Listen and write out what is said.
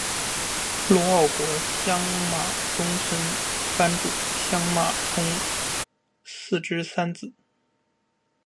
陆奥国相马中村藩主相马充胤之三子。